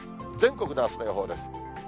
全国のあすの予報です。